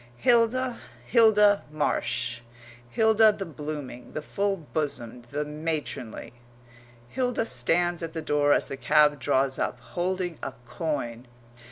Hilda? Hilda Marsh Hilda the blooming, the full bosomed, the matronly. Hilda stands at the door as the cab draws up, holding a coin.